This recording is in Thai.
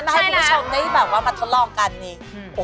ใช่นะมาให้คุณผู้ชมได้แบบว่ามาทดลองกันอินีย